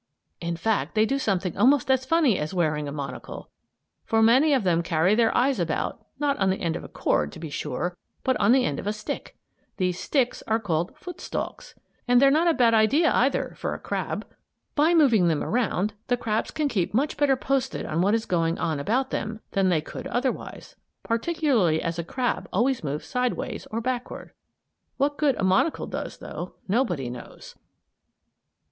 In fact, they do something almost as funny as wearing a monocle. For many of them carry their eyes about, not on the end of a cord, to be sure, but on the end of a stick. These "sticks" are called foot stalks. And they're not a bad idea either for a crab. By moving them around the crabs can keep much better posted on what is going on about them than they could otherwise; particularly as a crab always moves sidewise or backward. What good a monocle does, though, nobody knows.